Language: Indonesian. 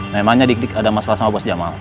memangnya dik dik ada masalah sama bos jamal